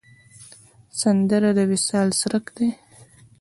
سندره د وصال څرک دی